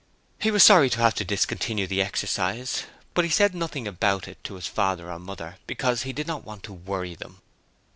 He was sorry to have to discontinue the exercise, but he said nothing about it to his father or mother because he did not want to 'worry' them...